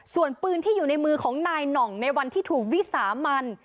ส่วนปืนที่อยู่ในมือของนายหน่องในวันที่ถูกวิสามัน